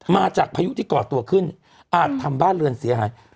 พายุที่ก่อตัวขึ้นอาจทำบ้านเรือนเสียหาย